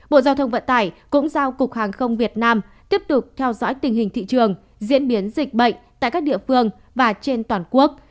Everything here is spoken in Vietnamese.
bộ giao thông vận tải cũng giao cục hàng không việt nam tiếp tục theo dõi tình hình thị trường diễn biến dịch bệnh tại các địa phương và trên toàn quốc